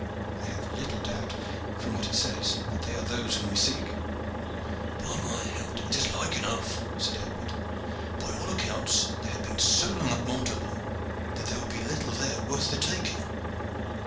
I have little doubt, from what he says, that they are those whom we seek." "By my hilt! it is like enough," said Aylward. "By all accounts they had been so long at Montaubon, that there would be little there worth the taking.